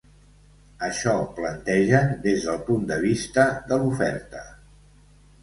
Això plantegen des del punt de vista de l’oferta.